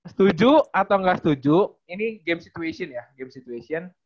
setuju atau nggak setuju ini game situation ya game situation